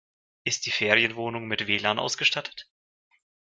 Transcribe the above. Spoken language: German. Ist die Ferienwohnung mit WLAN ausgestattet?